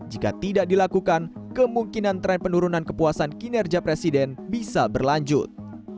jika tidak dilakukan kemungkinan tren penurunan kepuasan kinerja presiden bisa berlanjut